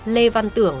lê văn tưởng